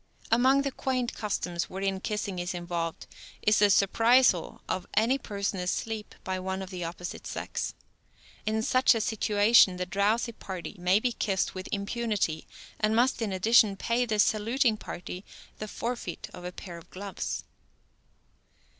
Among the quaint customs wherein kissing is involved is the surprisal of any person asleep by one of the opposite sex. In such a situation the drowsy party may be kissed with impunity, and must, in addition, pay the saluting party the forfeit of a pair of gloves.